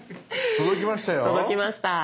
届きました。